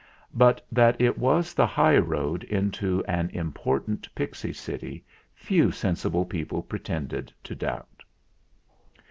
But that it was 92 THE FLINT HEART the high road into an important pixy city few sensible people pretended to doubt.